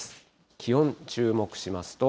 気温、注目しますと。